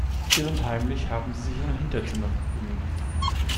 Still und heimlich haben sie sich in ein Hinterzimmer verkrümelt.